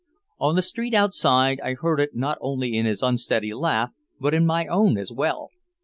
On the street outside I heard it not only in his unsteady laugh but in my own as well.